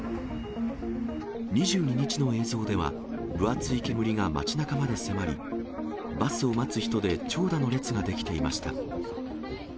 ２２日の映像では、分厚い煙が街なかまで迫り、バスを待つ人で長蛇の列が出来ていました。